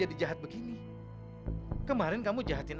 di ibu kayak romantic un jungoin